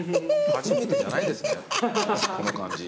初めてじゃないですねこの感じ。